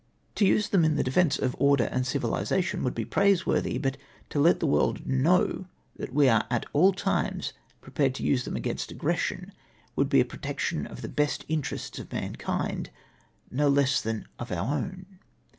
To use them in the defence of order and civihsation would be praiseworthy, but to let the world know that we are at all times prepared to use them against aggression, would be a protection of the best interests of mankind no less than of our own.